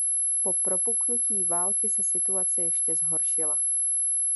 Po propuknutí války se situace ještě zhoršila.